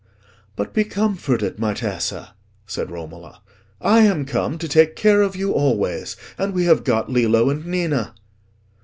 "But be comforted, my Tessa," said Romola. "I am come to take care of you always. And we have got Lillo and Ninna."